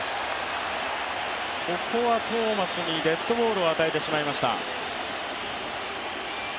ここはトーマスにデッドボールを与えてしまいました。